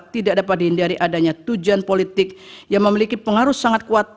tidak dapat dihindari adanya tujuan politik yang memiliki pengaruh sangat kuat